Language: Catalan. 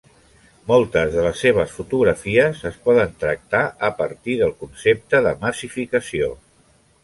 Moltes de les seves fotografies es poden tractar a partir del concepte de massificació.